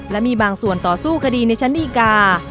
และมีบางส่วนต่อสู้คดีในชั้นดีกา